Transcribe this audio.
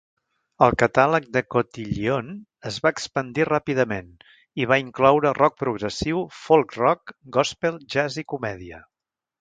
El catàleg de Cotillion es va expandir ràpidament i va incloure rock progressiu, folk-rock, gòspel, jazz i comèdia.